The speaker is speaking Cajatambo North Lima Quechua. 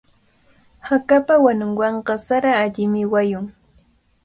Hakapa wanunwanqa sara allimi wayun.